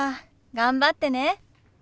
頑張ってね。